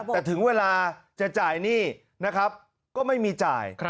แต่ถึงเวลาจะจ่ายหนี้นะครับก็ไม่มีจ่าย